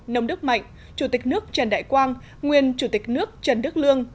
nông đức mạnh chủ tịch nước trần đại quang nguyên chủ tịch nước trần đức lương